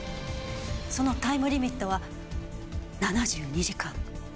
そのタイムリミットは７２時間。